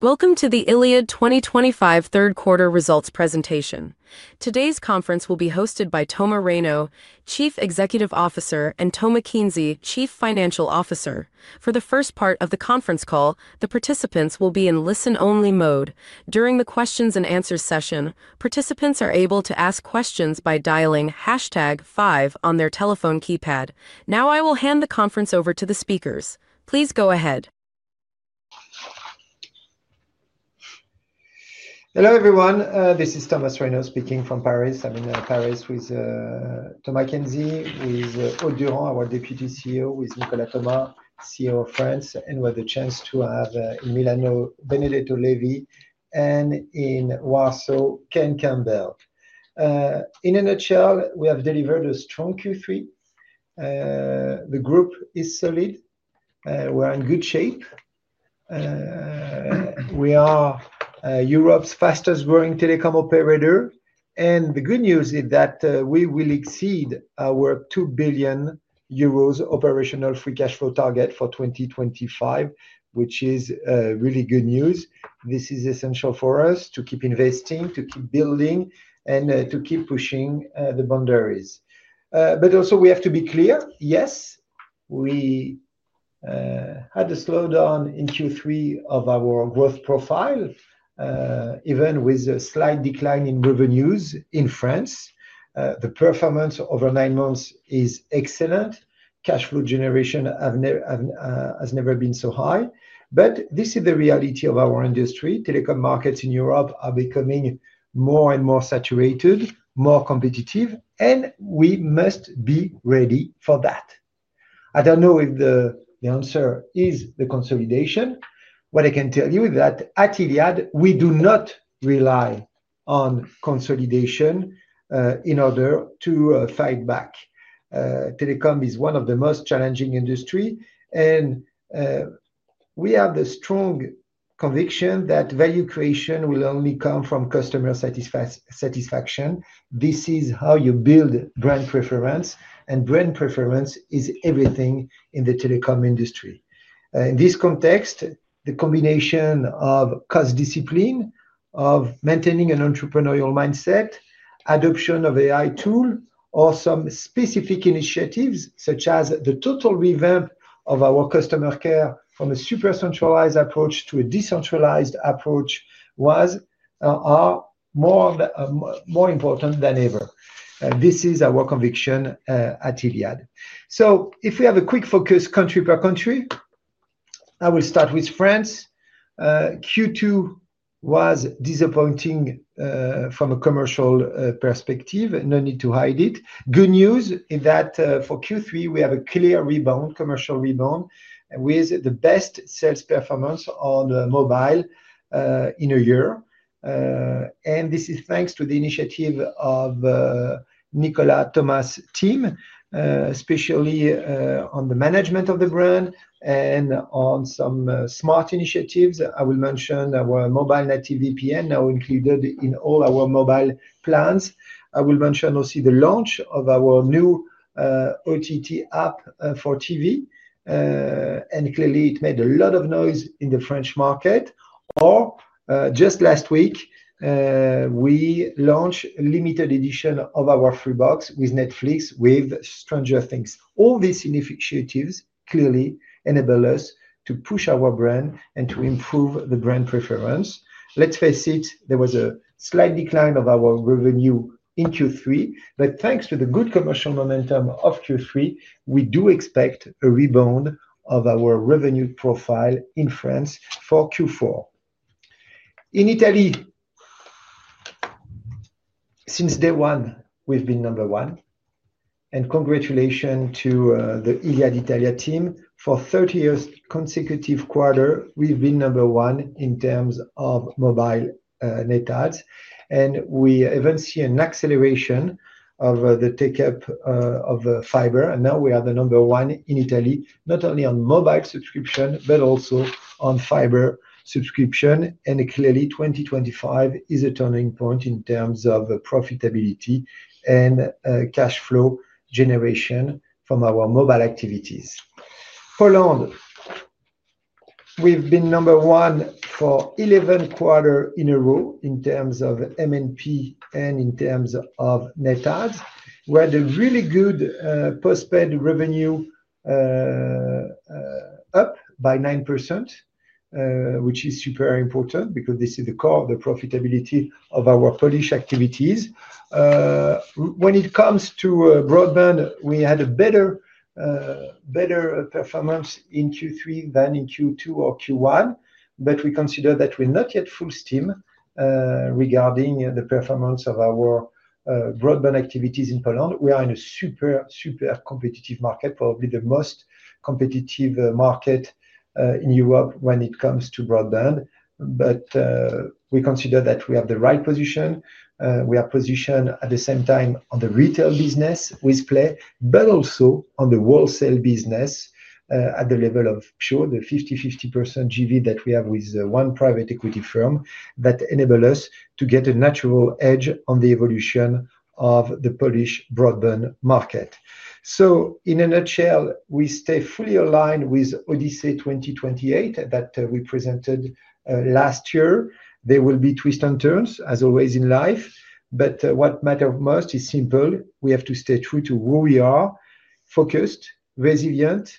Welcome to the Iliad 2025 third-quarter results presentation. Today's conference will be hosted by Thomas Reynaud, Chief Executive Officer, and Thomas Kienzi, Chief Financial Officer. For the first part of the conference call, the participants will be in listen-only mode. During the Q&A session, participants are able to ask questions by dialing #5 on their telephone keypad. Now I will hand the conference over to the speakers. Please go ahead. Hello everyone, this is Thomas Reynaud speaking from Paris. I'm in Paris with Thomas Kienzi, with Audurand, our Deputy CEO, with Nicolas Thomas, CEO of France, and we had the chance to have in Milano Benedetto Levi and in Warsaw Kienzi. In a nutshell, we have delivered a strong Q3. The group is solid. We're in good shape. We are Europe's fastest-growing telecom operator. The good news is that we will exceed our 2 billion euros operational free cash flow target for 2025, which is really good news. This is essential for us to keep investing, to keep building, and to keep pushing the boundaries. We also have to be clear: yes, we had a slowdown in Q3 of our growth profile, even with a slight decline in revenues in France. The performance over nine months is excellent. Cash flow generation has never been so high. This is the reality of our industry. Telecom markets in Europe are becoming more and more saturated, more competitive, and we must be ready for that. I don't know if the answer is the consolidation. What I can tell you is that at Iliad, we do not rely on consolidation in order to fight back. Telecom is one of the most challenging industries, and we have the strong conviction that value creation will only come from customer satisfaction. This is how you build brand preference, and brand preference is everything in the telecom industry. In this context, the combination of cost discipline, of maintaining an entrepreneurial mindset, adoption of AI tools, or some specific initiatives such as the total revamp of our customer care from a super centralized approach to a decentralized approach are more important than ever. This is our conviction at Iliad. If we have a quick focus country per country, I will start with France. Q2 was disappointing from a commercial perspective, no need to hide it. Good news is that for Q3, we have a clear rebound, commercial rebound, with the best sales performance on mobile in a year. This is thanks to the initiative of Nicolas Thomas' team, especially on the management of the brand and on some smart initiatives. I will mention our mobile native VPN now included in all our mobile plans. I will mention also the launch of our new OTT app for TV. Clearly, it made a lot of noise in the French market. Just last week, we launched a limited edition of our Freebox with Netflix, with Stranger Things. All these initiatives clearly enable us to push our brand and to improve the brand preference. Let's face it, there was a slight decline of our revenue in Q3, but thanks to the good commercial momentum of Q3, we do expect a rebound of our revenue profile in France for Q4. In Italy, since day one, we've been number one. Congratulations to the Iliad Italia team. For 30 consecutive quarters, we've been number one in terms of mobile net adds. We even see an acceleration of the take-up of fiber. Now we are the number one in Italy, not only on mobile subscription, but also on fiber subscription. Clearly, 2025 is a turning point in terms of profitability and cash flow generation from our mobile activities. Poland, we've been number one for 11 quarters in a row in terms of MNP and in terms of net adds. We had a really good postpaid revenue up by 9%, which is super important because this is the core of the profitability of our Polish activities. When it comes to broadband, we had a better performance in Q3 than in Q2 or Q1, but we consider that we're not yet full steam regarding the performance of our broadband activities in Poland. We are in a super, super competitive market, probably the most competitive market in Europe when it comes to broadband. We consider that we have the right position. We are positioned at the same time on the retail business with Play, but also on the wholesale business at the level of the 50-50% joint venture that we have with one private equity firm that enables us to get a natural edge on the evolution of the Polish broadband market. In a nutshell, we stay fully aligned with Odyssey 2028 that we presented last year. There will be twists and turns, as always in life. What matters most is simple. We have to stay true to who we are: focused, resilient,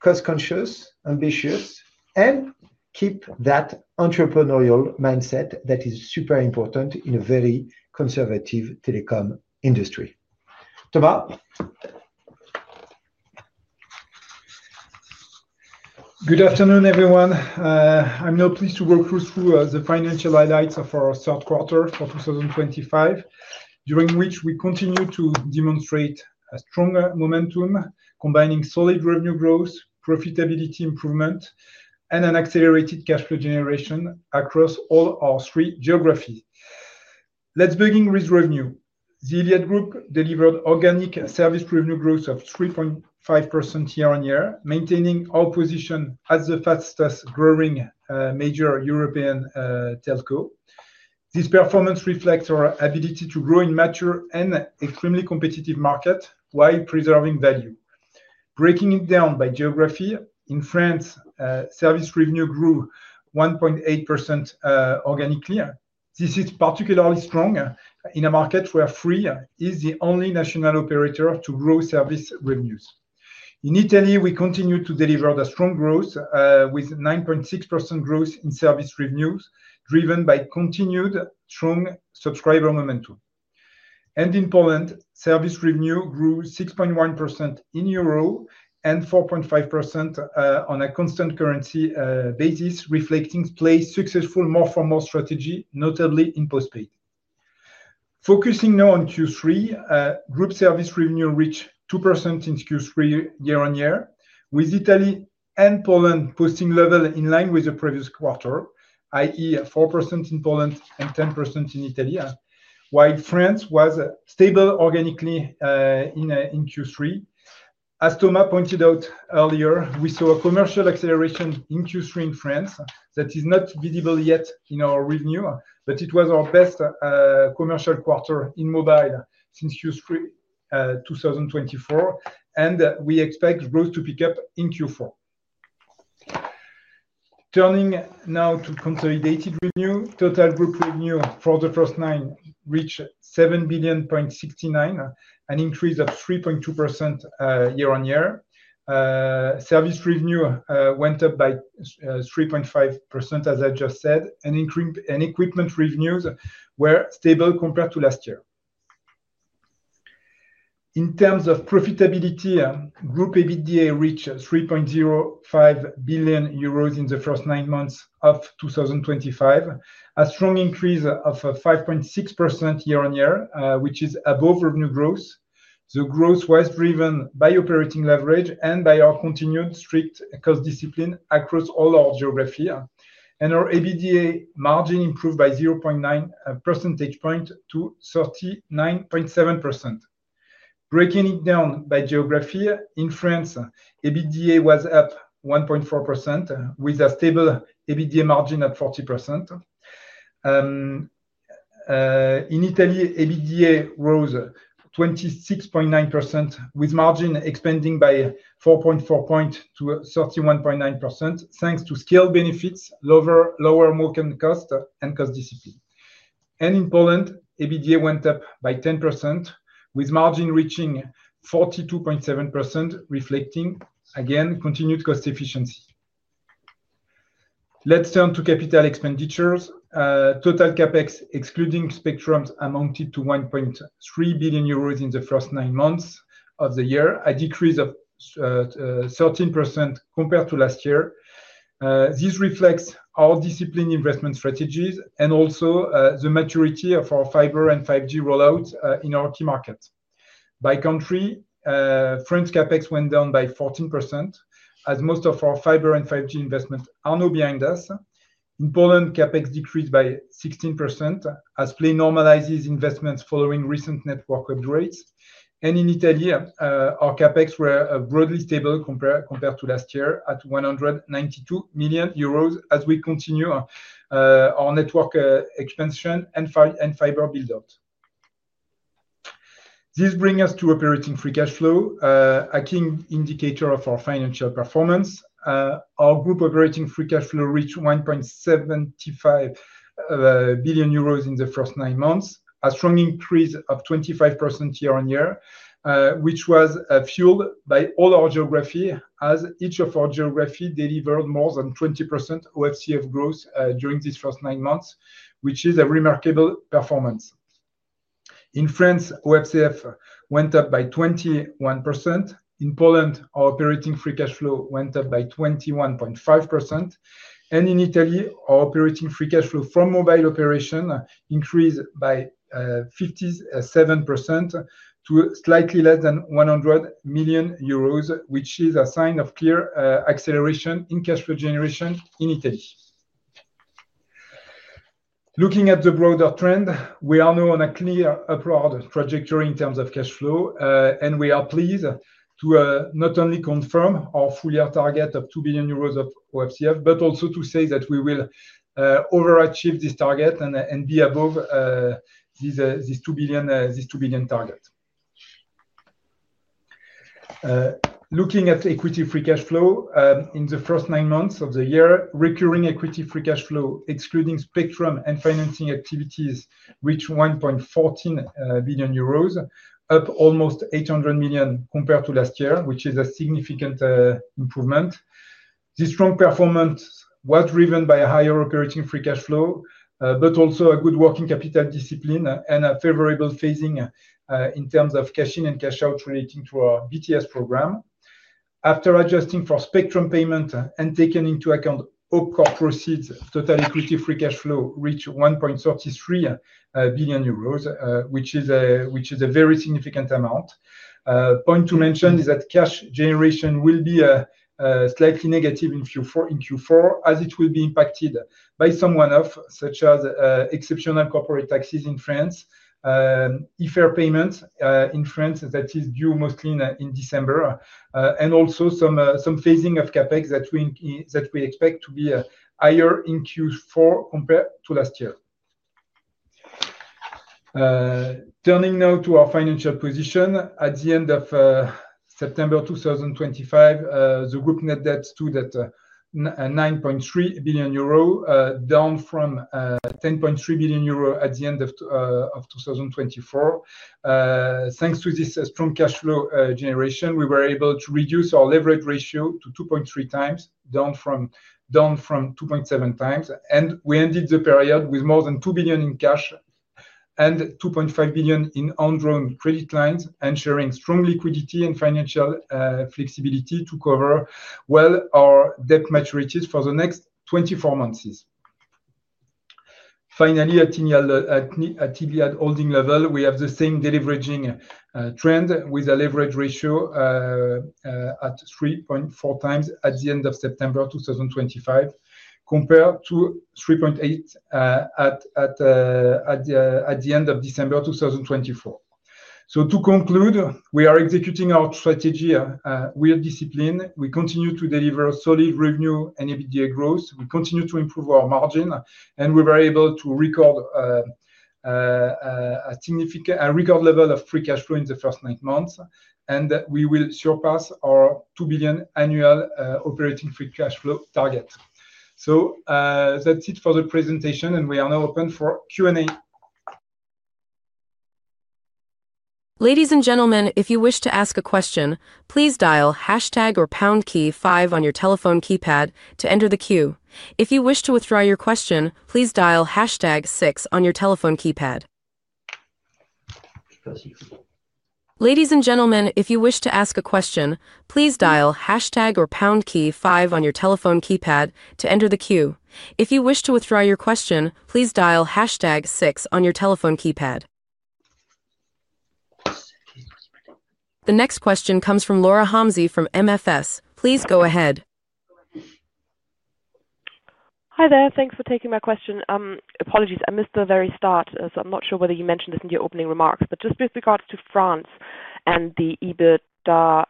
cost-conscious, ambitious, and keep that entrepreneurial mindset that is super important in a very conservative telecom industry. Thomas. Good afternoon, everyone. I'm now pleased to walk you through the financial highlights of our third quarter for 2025, during which we continue to demonstrate a stronger momentum, combining solid revenue growth, profitability improvement, and an accelerated cash flow generation across all our three geographies. Let's begin with revenue. The Iliad Group delivered organic service revenue growth of 3.5% year on year, maintaining our position as the fastest-growing major European telco. This performance reflects our ability to grow in mature and extremely competitive markets while preserving value. Breaking it down by geography, in France, service revenue grew 1.8% organically. This is particularly strong in a market where Free is the only national operator to grow service revenues. In Italy, we continue to deliver the strong growth with 9.6% growth in service revenues, driven by continued strong subscriber momentum. In Poland, service revenue grew 6.1% in euro and 4.5% on a constant currency basis, reflecting Play's successful more-for-more strategy, notably in postpaid. Focusing now on Q3, group service revenue reached 2% since Q3 year on year, with Italy and Poland posting levels in line with the previous quarter, i.e., 4% in Poland and 10% in Italy, while France was stable organically in Q3. As Thomas pointed out earlier, we saw a commercial acceleration in Q3 in France that is not visible yet in our revenue, but it was our best commercial quarter in mobile since Q3 2024, and we expect growth to pick up in Q4. Turning now to consolidated revenue, total group revenue for the first nine months reached 7 billion 69 million, an increase of 3.2% year on year. Service revenue went up by 3.5%, as I just said, and equipment revenues were stable compared to last year. In terms of profitability, Group EBITDA reached 3.05 billion euros in the first nine months of 2025, a strong increase of 5.6% year on year, which is above revenue growth. The growth was driven by operating leverage and by our continued strict cost discipline across all our geographies. Our EBITDA margin improved by 0.9 percentage points to 39.7%. Breaking it down by geography, in France, EBITDA was up 1.4%, with a stable EBITDA margin at 40%. In Italy, EBITDA rose 26.9%, with margin expanding by 4.4 percentage points to 31.9%, thanks to scaled benefits, lower market cost, and cost discipline. In Poland, EBITDA went up by 10%, with margin reaching 42.7%, reflecting, again, continued cost efficiency. Let's turn to capital expenditures. Total CapEx, excluding spectrums, amounted to 1.3 billion euros in the first nine months of the year, a decrease of 13% compared to last year. This reflects our disciplined investment strategies and also the maturity of our fiber and 5G rollouts in our key markets. By country, French CapEx went down by 14%, as most of our fiber and 5G investments are now behind us. In Poland, CapEx decreased by 16%, as Play normalizes investments following recent network upgrades. In Italy, our CapEx were broadly stable compared to last year at 192 million euros, as we continue our network expansion and fiber build-out. This brings us to operating free cash flow, a key indicator of our financial performance. Our group operating free cash flow reached 1.75 billion euros in the first nine months, a strong increase of 25% year on year, which was fueled by all our geography, as each of our geographies delivered more than 20% OFCF growth during these first nine months, which is a remarkable performance. In France, OFCF went up by 21%. In Poland, our operating free cash flow went up by 21.5%. In Italy, our operating free cash flow from mobile operations increased by 57% to slightly less than 100 million euros, which is a sign of clear acceleration in cash flow generation in Italy. Looking at the broader trend, we are now on a clear upward trajectory in terms of cash flow, and we are pleased to not only confirm our full year target of 2 billion euros of OFCF, but also to say that we will overachieve this target and be above this EUR 2 billion target. Looking at equity free cash flow, in the first nine months of the year, recurring equity free cash flow, excluding spectrum and financing activities, reached 1.14 billion euros, up almost 800 million compared to last year, which is a significant improvement. This strong performance was driven by a higher operating free cash flow, but also a good working capital discipline and a favorable phasing in terms of cash in and cash out relating to our BTS program. After adjusting for spectrum payment and taking into account OPCOR proceeds, total equity free cash flow reached 1.33 billion euros, which is a very significant amount. Point to mention is that cash generation will be slightly negative in Q4, as it will be impacted by some one-offs, such as exceptional corporate taxes in France, IFR payments in France that is due mostly in December, and also some phasing of CapEx that we expect to be higher in Q4 compared to last year. Turning now to our financial position, at the end of September 2025, the group net debt stood at 9.3 billion euro, down from 10.3 billion euro at the end of 2024. Thanks to this strong cash flow generation, we were able to reduce our leverage ratio to 2.3 times, down from 2.7 times. We ended the period with more than 2 billion in cash and 2.5 billion in on-loan credit lines, ensuring strong liquidity and financial flexibility to cover well our debt maturities for the next 24 months. Finally, at Iliad Holding level, we have the same deleveraging trend with a leverage ratio at 3.4 times at the end of September 2025, compared to 3.8 at the end of December 2024. To conclude, we are executing our strategy with discipline. We continue to deliver solid revenue and EBITDA growth. We continue to improve our margin, and we were able to record a significant record level of free cash flow in the first nine months, and we will surpass our 2 billion annual operating free cash flow target. That is it for the presentation, and we are now open for Q&A. Ladies and gentlemen, if you wish to ask a question, please dial # or #5 on your telephone keypad to enter the queue. If you wish to withdraw your question, please dial #6 on your telephone keypad. The next question comes from Laura Hamzi from MFS. Please go ahead. Hi there, thanks for taking my question. Apologies, I missed the very start, so I'm not sure whether you mentioned this in your opening remarks, but just with regards to France and the EBITDA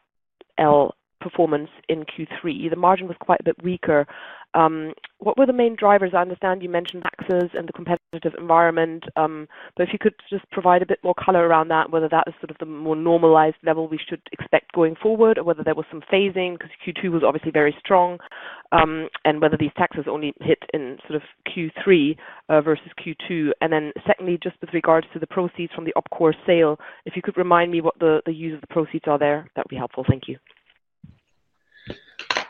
performance in Q3, the margin was quite a bit weaker. What were the main drivers? I understand you mentioned taxes and the competitive environment, but if you could just provide a bit more color around that, whether that is sort of the more normalized level we should expect going forward, or whether there was some phasing because Q2 was obviously very strong, and whether these taxes only hit in sort of Q3 versus Q2. Secondly, just with regards to the proceeds from the OPCOR sale, if you could remind me what the use of the proceeds are there, that would be helpful.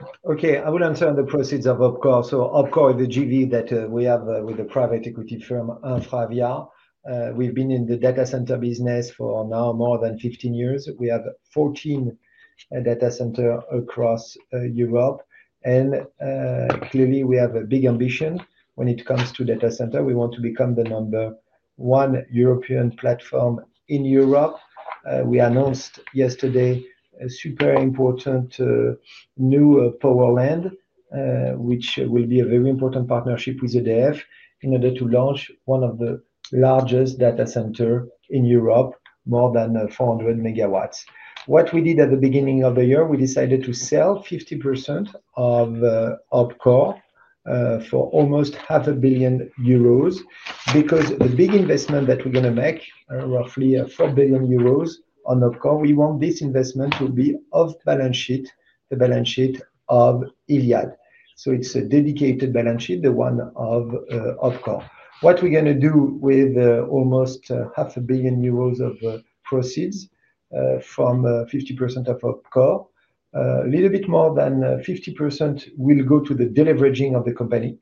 Thank you. Okay, I will answer on the proceeds of OPCOR. OPCOR is the JV that we have with the private equity firm InfraVia. We've been in the data center business for now more than 15 years. We have 14 data centers across Europe. We have a big ambition when it comes to data centers. We want to become the number one European platform in Europe. We announced yesterday a super important new power plant, which will be a very important partnership with EDF in order to launch one of the largest data centers in Europe, more than 400 megawatts. What we did at the beginning of the year, we decided to sell 50% of OPCOR for almost 500,000,000 euros because the big investment that we're going to make, roughly 4,000,000,000 euros on OPCOR, we want this investment to be off balance sheet, the balance sheet of Iliad. It is a dedicated balance sheet, the one of OPCOR. What we're going to do with almost 500,000,000 euros of proceeds from 50% of OPCOR, a little bit more than 50% will go to the deleveraging of the company.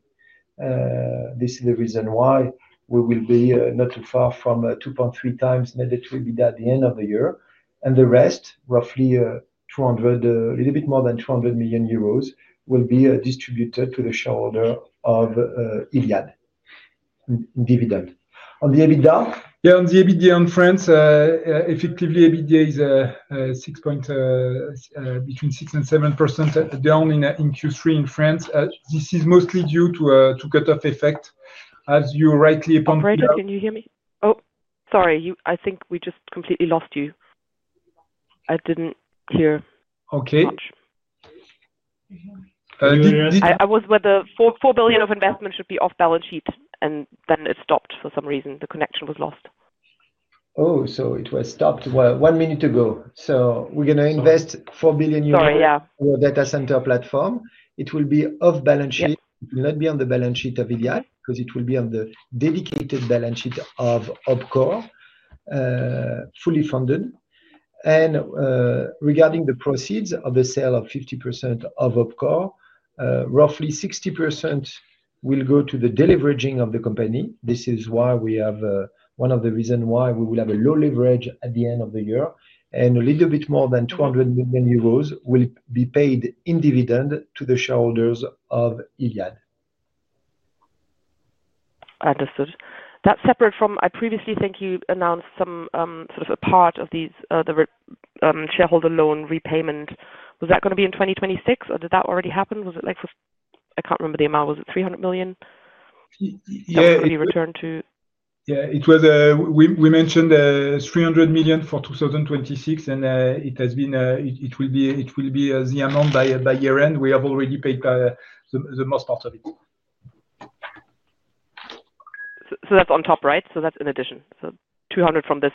This is the reason why we will be not too far from 2.3 times net EBITDA at the end of the year. The rest, roughly a little bit more than 200 million euros, will be distributed to the shareholder of Iliad in dividend. On the EBITDA? Yeah, on the EBITDA in France, effectively, EBITDA is between 6% and 7% down in Q3 in France. This is mostly due to cut-off effect, as you rightly pointed out. Reider, can you hear me? Oh, sorry, I think we just completely lost you. I did not hear much. Okay. I was with the €4 billion of investment should be off balance sheet, and then it stopped for some reason. The connection was lost. Oh, it was stopped one minute ago. We are going to invest 4 billion euros for a data center platform. It will be off balance sheet. It will not be on the balance sheet of Iliad because it will be on the dedicated balance sheet of OPCOR, fully funded. Regarding the proceeds of the sale of 50% of OPCOR, roughly 60% will go to the deleveraging of the company. This is one of the reasons why we will have a low leverage at the end of the year. A little bit more than 200 million euros will be paid in dividend to the shareholders of Iliad. Understood. That's separate from I previously, thank you, announced some sort of a part of the shareholder loan repayment. Was that going to be in 2026, or did that already happen? Was it like for I can't remember the amount. Was it 300 million? Yeah. Will it be returned to? Yeah, we mentioned 300 million for 2026, and it will be the amount by year-end. We have already paid the most part of it. That's on top, right? That's in addition. 200 million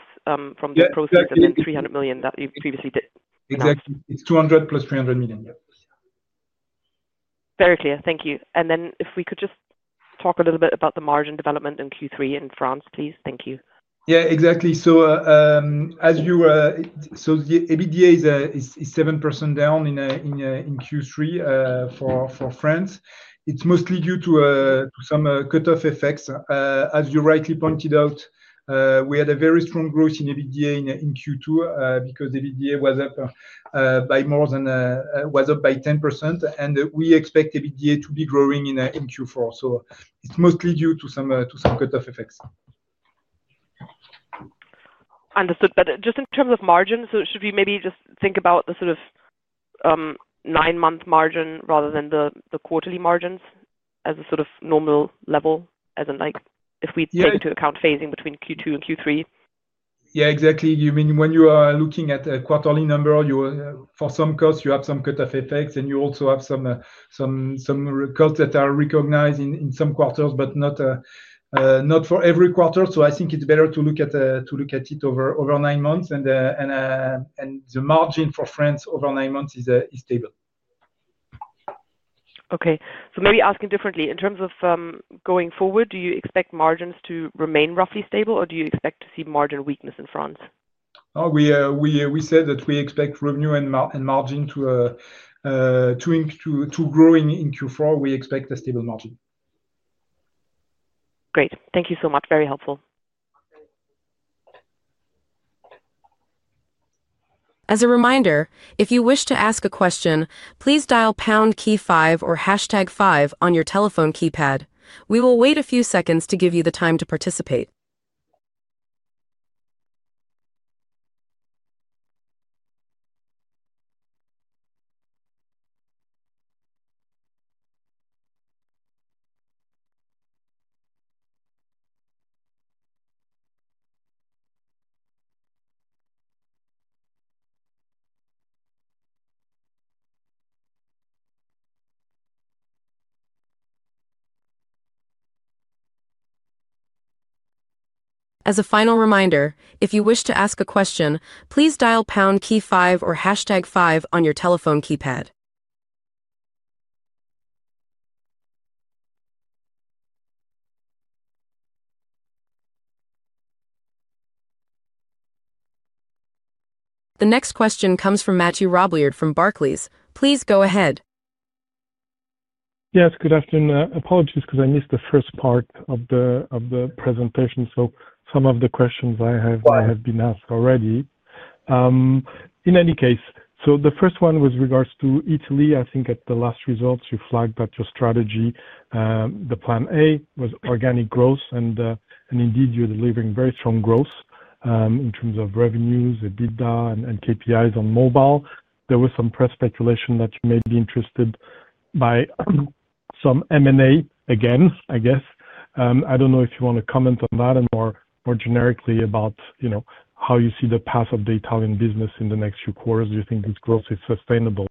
from the proceeds and then 300 million that you previously did. Exactly. It's 200 plus 300 million, yeah. Very clear. Thank you. If we could just talk a little bit about the margin development in Q3 in France, please. Thank you. Yeah, exactly. So the EBITDA is 7% down in Q3 for France. It's mostly due to some cut-off effects. As you rightly pointed out, we had a very strong growth in EBITDA in Q2 because EBITDA was up by more than 10%, and we expect EBITDA to be growing in Q4. So it's mostly due to some cut-off effects. Understood. Just in terms of margins, should we maybe just think about the sort of nine-month margin rather than the quarterly margins as a sort of normal level, as in like if we take into account phasing between Q2 and Q3? Yeah, exactly. You mean when you are looking at a quarterly number, for some costs, you have some cut-off effects, and you also have some costs that are recognized in some quarters, but not for every quarter. I think it's better to look at it over nine months, and the margin for France over nine months is stable. Okay. Maybe asking differently, in terms of going forward, do you expect margins to remain roughly stable, or do you expect to see margin weakness in France? Oh, we said that we expect revenue and margin to grow in Q4. We expect a stable margin. Great. Thank you so much. Very helpful. As a reminder, if you wish to ask a question, please dial #KEY5 or #5 on your telephone keypad. We will wait a few seconds to give you the time to participate. As a final reminder, if you wish to ask a question, please dial #KEY5 or #5 on your telephone keypad. The next question comes from Matthew Robillard from Barclays. Please go ahead. Yes, good afternoon. Apologies because I missed the first part of the presentation, so some of the questions I have been asked already. In any case, the first one was in regards to Italy. I think at the last results, you flagged that your strategy, the plan A, was organic growth, and indeed, you're delivering very strong growth in terms of revenues, EBITDA, and KPIs on mobile. There was some press speculation that you may be interested by some M&A again, I guess. I don't know if you want to comment on that and more generically about how you see the path of the Italian business in the next few quarters. Do you think this growth is sustainable?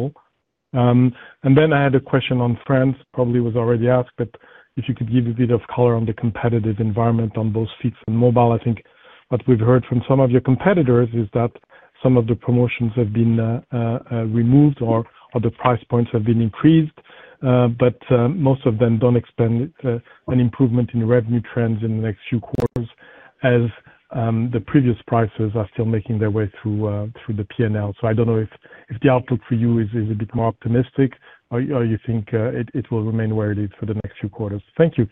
I had a question on France, probably was already asked, but if you could give a bit of color on the competitive environment on both fixed and mobile. I think what we've heard from some of your competitors is that some of the promotions have been removed or the price points have been increased, but most of them do not expect an improvement in revenue trends in the next few quarters as the previous prices are still making their way through the P&L. I do not know if the outlook for you is a bit more optimistic or you think it will remain where it is for the next few quarters. Thank you.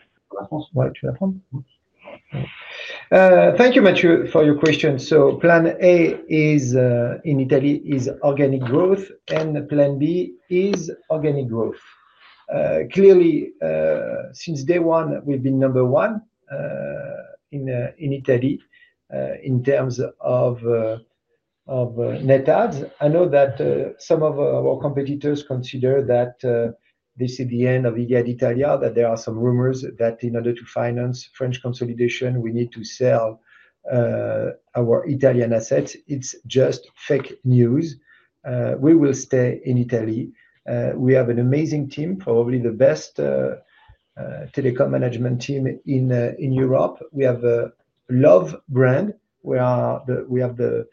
Thank you, Matthew, for your question. Plan A in Italy is organic growth, and plan B is organic growth. Clearly, since day one, we've been number one in Italy in terms of net adds. I know that some of our competitors consider that this is the end of Iliad Italia, that there are some rumors that in order to finance French consolidation, we need to sell our Italian assets. It's just fake news. We will stay in Italy. We have an amazing team, probably the best telecom management team in Europe. We have a love brand. We have the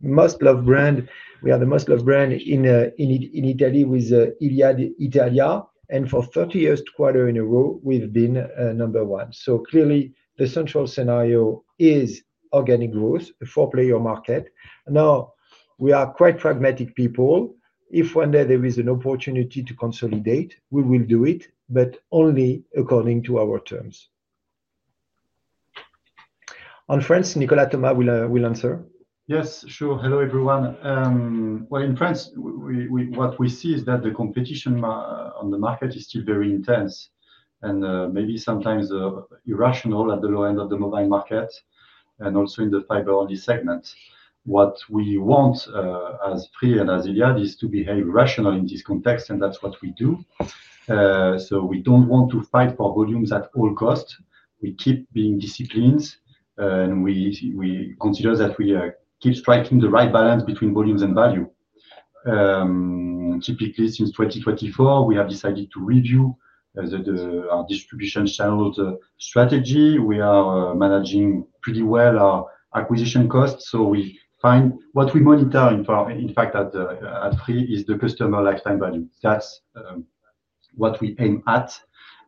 most loved brand. We have the most loved brand in Italy with Iliad Italia. For 30 quarters in a row, we've been number one. Clearly, the central scenario is organic growth, a four-player market. We are quite pragmatic people. If one day there is an opportunity to consolidate, we will do it, but only according to our terms. On France, Nicolas Thomas will answer. Yes, sure. Hello everyone. In France, what we see is that the competition on the market is still very intense and maybe sometimes irrational at the low end of the mobile market and also in the fiber-only segment. What we want as Free and as Iliad is to behave rationally in this context, and that's what we do. We do not want to fight for volumes at all costs. We keep being disciplined, and we consider that we keep striking the right balance between volumes and value. Typically, since 2024, we have decided to review our distribution channel strategy. We are managing pretty well our acquisition costs. What we monitor, in fact, at Free is the customer lifetime value. That's what we aim at.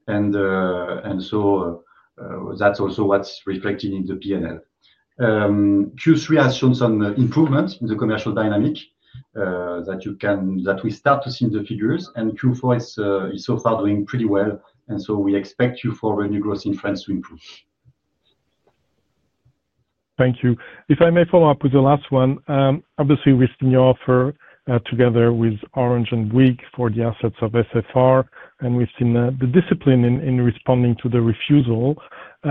That is also what's reflected in the P&L. Q3 has shown some improvements in the commercial dynamic that we start to see in the figures, and Q4 is so far doing pretty well. We expect Q4 revenue growth in France to improve. Thank you. If I may follow up with the last one, obviously, we've seen your offer together with Orange and Bouygues for the assets of SFR, and we've seen the discipline in responding to the refusal.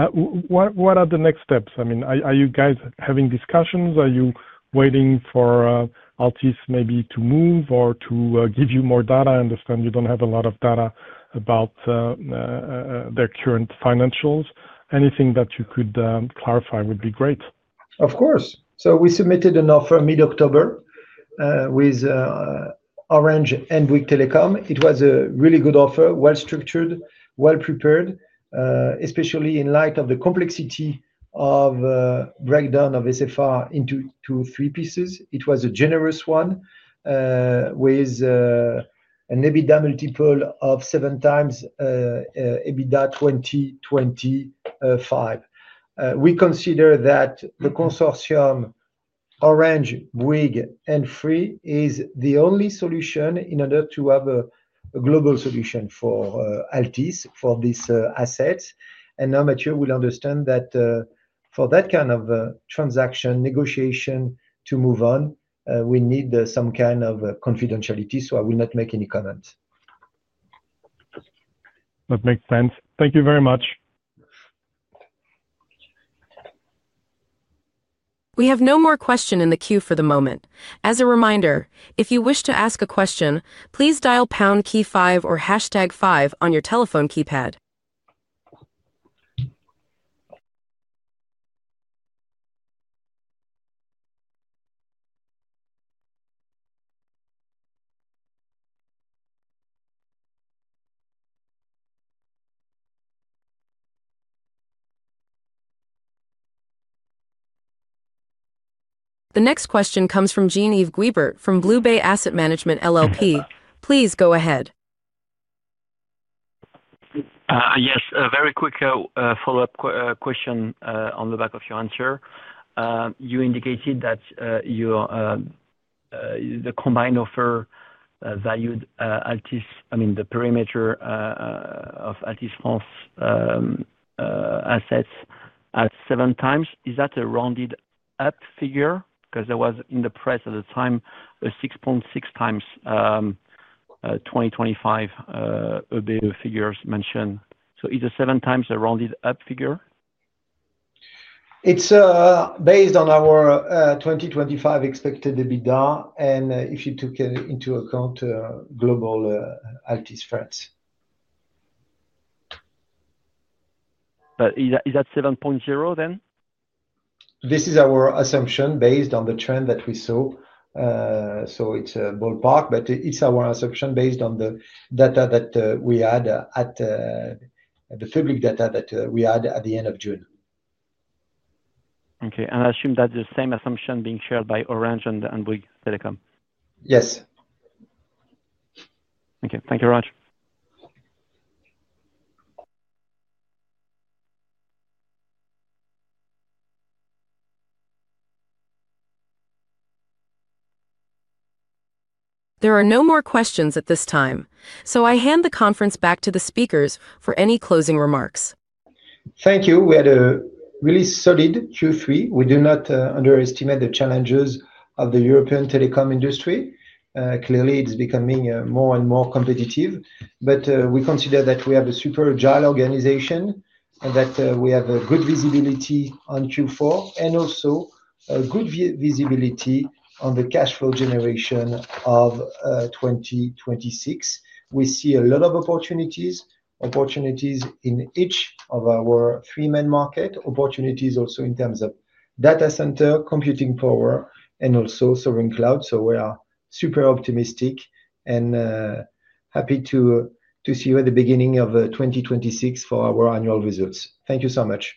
What are the next steps? I mean, are you guys having discussions? Are you waiting for Altice maybe to move or to give you more data? I understand you don't have a lot of data about their current financials. Anything that you could clarify would be great. Of course. We submitted an offer mid-October with Orange and Bouygues Telecom. It was a really good offer, well-structured, well-prepared, especially in light of the complexity of breakdown of SFR into three pieces. It was a generous one with an EBITDA multiple of seven times EBITDA 2025. We consider that the consortium Orange, Bouygues, and Free is the only solution in order to have a global solution for Altice for this asset. Now, Matthew, you'll understand that for that kind of transaction negotiation to move on, we need some kind of confidentiality, so I will not make any comments. That makes sense. Thank you very much. We have no more questions in the queue for the moment. As a reminder, if you wish to ask a question, please dial #KEY5 or #5 on your telephone keypad. The next question comes from Jean-Yves Guibert from Bluebay Asset Management LLP. Please go ahead. Yes, a very quick follow-up question on the back of your answer. You indicated that the combined offer valued Altice, I mean, the perimeter of Altice France assets at seven times. Is that a rounded-up figure? Because there was in the press at the time a 6.6 times 2025 EBITDA figures mentioned. Is the seven times a rounded-up figure? It's based on our 2025 expected EBITDA and if you took into account global Altice France. Is that 7.0 then? This is our assumption based on the trend that we saw. It is a ballpark, but it is our assumption based on the data that we had at the public data that we had at the end of June. Okay. I assume that's the same assumption being shared by Orange and Bouygues Telecom. Yes. Okay. Thank you, Roger. There are no more questions at this time, so I hand the conference back to the speakers for any closing remarks. Thank you. We had a really solid Q3. We do not underestimate the challenges of the European telecom industry. Clearly, it's becoming more and more competitive, but we consider that we have a super agile organization and that we have good visibility on Q4 and also good visibility on the cash flow generation of 2026. We see a lot of opportunities, opportunities in each of our three main markets, opportunities also in terms of data center, computing power, and also sovereign cloud. We are super optimistic and happy to see you at the beginning of 2026 for our annual results. Thank you so much.